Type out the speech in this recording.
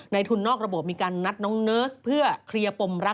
ทุนนอกระบบมีการนัดน้องเนิร์สเพื่อเคลียร์ปมรัก